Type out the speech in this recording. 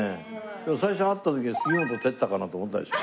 でも最初会った時は杉本哲太かなと思ったでしょ？